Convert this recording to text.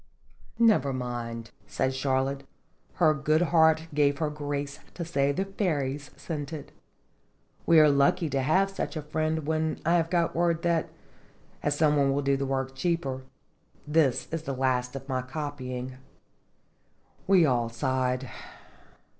"Never mind," said Charlotte, "her good heart gave her grace to say the fairies sent it. We are lucky to have such a friend when I have got word that, as some one will do the work cheaper, this is the last of my copying." We all sighed.